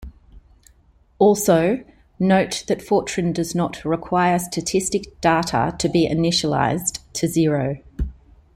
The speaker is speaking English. Also, note that Fortran does not require static data to be initialized to zero.